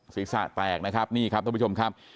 ศีรษะแตกนะครับนี่ครับท่านผู้ชมครับ